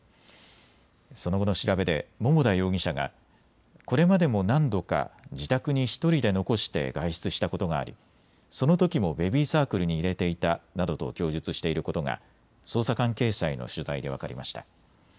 その後の調べで桃田容疑者がこれまでも何度か自宅に１人で残して外出したことがありそのときもベビーサークルに入れていたなどと供述していることが捜査関係者への取材で分かりました。